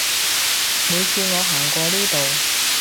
每次我行過呢度